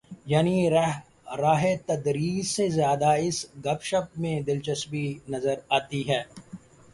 یعنی راہ تدریس سے زیادہ اس گپ شپ میں دلچسپی نظر آتی ہے۔